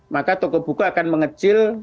maka toko buku akan mengecil